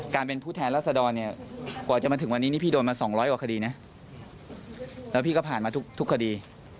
ก็ผ่านมาทุกคดี